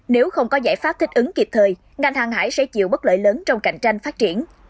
nếu không có giải pháp thích ứng kịp thời ngành hàng hải sẽ chịu bất lợi lớn trong cạnh tranh phát triển